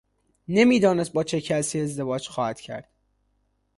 نمیدانست با چه کسی ازدواج خواهد کرد.